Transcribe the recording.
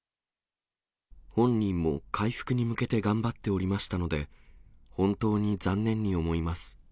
本人も回復に向けて頑張っておりましたので、本当に残念に思います。